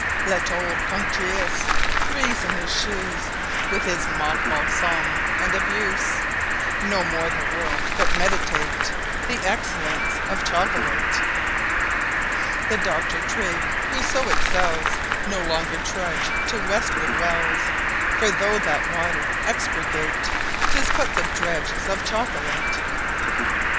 Let old Punctaeus Greaze his shooes With his Mock Balsome: and Abuse No more the World: But Meditate The Excellence of Chocolate. Let Doctor Trigg (who so Excells) No longer Trudge to Westwood Wells: For though that water Expurgate, 'Tis but the Dreggs of Chocolate.